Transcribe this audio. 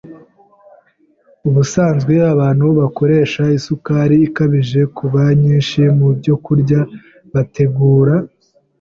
Ubusanzwe abantu bakoresha isukari ikabije kuba nyinshi mu byokurya bategura.